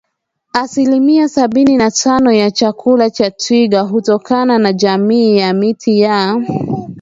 Asilimia sabini na tano ya chakula cha twiga hutokana na jamii ya miti ya